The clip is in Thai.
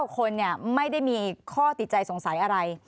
คนไม่ได้มีข้อติดใจสงสัยอะไร